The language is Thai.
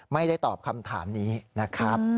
ไม่ได้ตอบคำถามนี้นะครับ